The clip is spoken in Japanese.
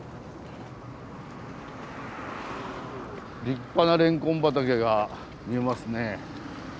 立派なレンコン畑が見えますね。